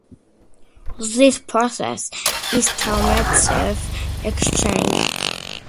This process is termed self-exchange.